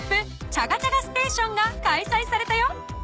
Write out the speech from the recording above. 「チャガチャガステーション」がかいさいされたよ］